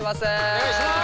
お願いします！